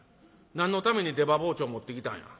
何のために出刃包丁持ってきたんや。